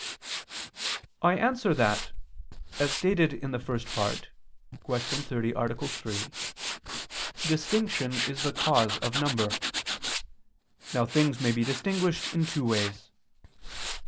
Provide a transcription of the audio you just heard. I answer that, As stated in the First Part (Q. 30, A. 3), distinction is the cause of number. Now things may be distinguished in two ways.